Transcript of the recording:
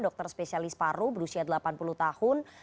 dokter spesialis paru berusia delapan puluh tahun